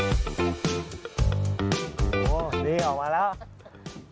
โอ้โหนี่ออกมาแล้ว